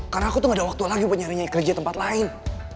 karena aku tuh gak ada waktu lagi untuk nyenyai kerja di tempat lain